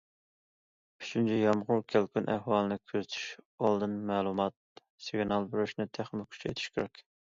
ئۈچىنچى، يامغۇر، كەلكۈن ئەھۋالىنى كۆزىتىش، ئالدىن مەلۇمات، سىگنال بېرىشنى تېخىمۇ كۈچەيتىش كېرەك.